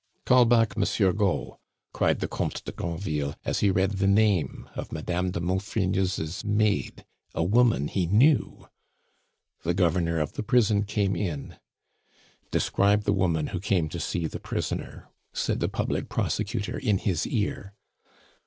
"Call back Monsieur Gault!" cried the Comte de Granville, as he read the name of Madame de Maufrigneuse's maid a woman he knew. The governor of the prison came in. "Describe the woman who came to see the prisoner," said the public prosecutor in his ear.